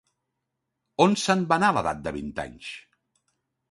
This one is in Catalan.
On se'n va anar a l'edat de vint anys?